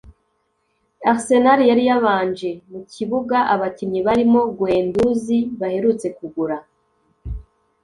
Arsenal yari yabanje mu kibuga abakinnyi barimo Guendouzi baherutse kugura